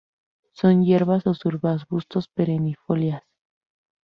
Son hierbas o subarbustos perennifolias.